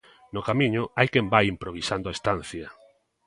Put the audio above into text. No Camiño hai quen vai improvisando a estancia.